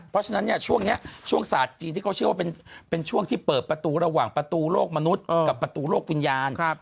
เพราะฉะนั้นเนี่ยช่วงนี้ช่วงศาสตร์จีนที่เขาเชื่อว่าเป็นช่วงที่เปิดประตูระหว่างประตูโลกมนุษย์กับประตูโลกวิญญาณ